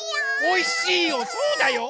おいしいよそうだよ！